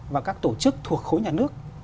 và các tổ chức thuộc khối nhà nước